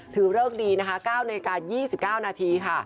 ถือเลิกดี๙นาที๒๙นาทีค่ะ